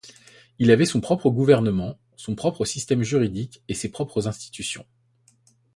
Il avait son propre gouvernement, son propre système juridique et ses propres institutions.